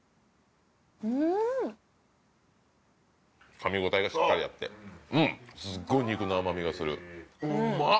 噛み応えがしっかりあってうんすごい肉の甘味がするうまっ！